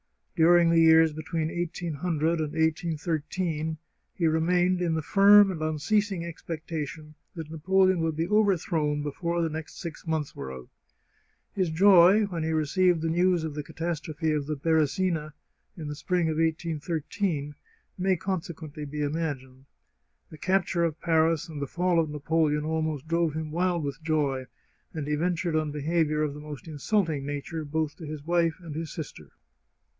During the years between 1800 and 1813 he remained in the firm and unceasing expectation that Na poleon would be overthrown before the next six months were out. His joy when he received the news of the catas trophe of the Beresina, in the spring of 1813, may conse quently be imagined. The capture of Paris and the fall of Napoleon almost drove him wild with joy, and he ven tured on behaviour of the most insulting nature, both to his wife and his sister.